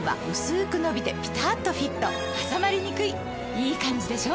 いいカンジでしょ？